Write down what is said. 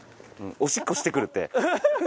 おしっこしてくるって。